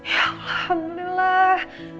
ya allah alhamdulillah